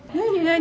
何？